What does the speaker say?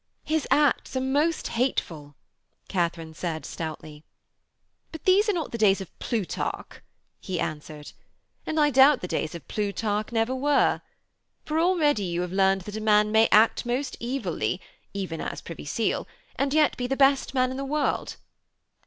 'His acts are most hateful,' Katharine said stoutly. 'But these are not the days of Plutarch,' he answered. 'And I doubt the days of Plutarch never were. For already you have learned that a man may act most evilly, even as Privy Seal, and yet be the best man in the world.